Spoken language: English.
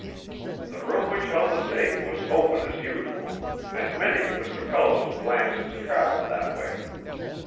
The room which held the safe was open as usual, and many of Mr. Fellows's glances traveled that way.